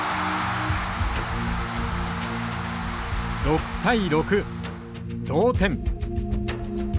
６対６同点。